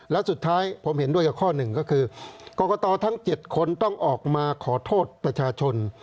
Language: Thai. และสุดท้ายผมเห็นด้วยกับข้อหนึ่งก็คือกรกตทั้ง๗คนต้องออกมาขอโทษประชาชน